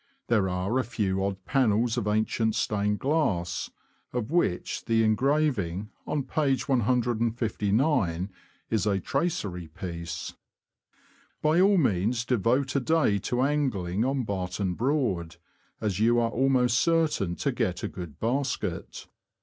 There are a few odd panels of ancient stained glass, of which the engraving on page 159 is a tracery piece. By all means devote a day to angling on Barton Broad, as you are almost certain to get a good basket.